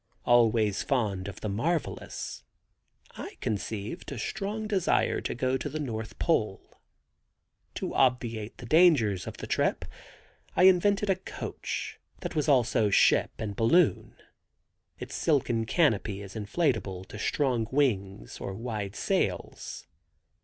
Always fond of the marvelous, I conceived a strong desire to go to the North Pole. To obviate the dangers of the trip I invented a coach, that was also ship and balloon. Its silken canopy is inflatable to strong wings or wide sails.